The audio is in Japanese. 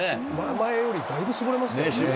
前よりだいぶ絞れましたね。